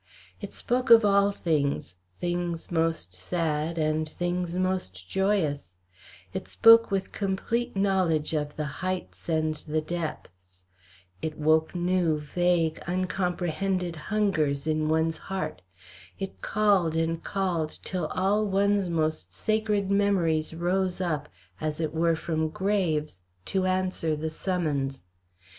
It spoke of all things, things most sad and things most joyous; it spoke with complete knowledge of the heights and the depths; it woke new, vague, uncomprehended hungers in one's heart; it called and called till all one's most sacred memories rose up, as it were from graves, to answer the summons.